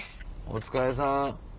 お疲れさん。